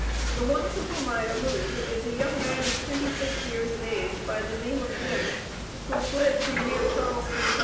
The one to whom I allude, is a young man of twenty six years of age, by the name of 'Jim,' who fled from near Charleston, S.C.